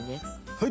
はい！